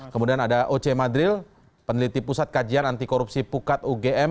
kemudian ada oce madril peneliti pusat kajian anti korupsi pukat ugm